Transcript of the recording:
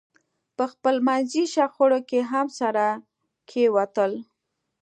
په خپلمنځي شخړو کې هم سره کېوتل.